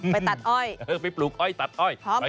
ไปตัดอ้อยไปปลูกอ้อยตัดอ้อยพร้อมพร้อมพร้อม